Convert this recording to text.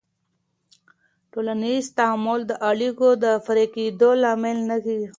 ټولنیز تعامل د اړیکو د پرې کېدو لامل نه کېږي.